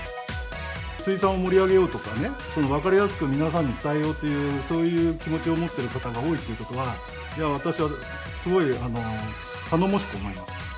水産を盛り上げようとかね、分かりやすく皆さんに伝えようという、そういう気持ちを持ってる方が多いということは、私はすごい頼もしく思います。